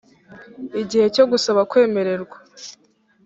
igihe cyo gusaba kwemererwa